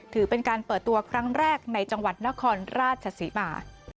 ถือเป็นการเปิดตัวครั้งแรกในจังหวัดนครราชศรีมา